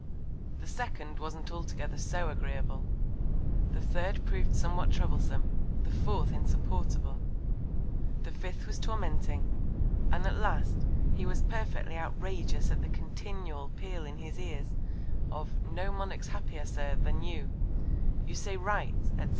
The second wasn't altogether so agreeable; The third prov'd somewhat troublesome; the fourth insupportable; the fifth was tormenting; and at last, he was perfectly outrageous at the continual Peal in his Ears of No Monarch's happier Sir, than you, You say right, _&c.